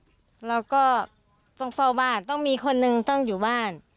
เราก็ต้องเฝ้าบ้านต้องมีคนนึงต้องอยู่บ้าน